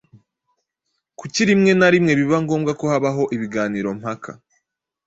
Kuki rimwe na rimwe biba ngombwa ko habaho ibiganiro mpaka